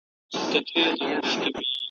د انسان کمال یې نه وو پېژندلی `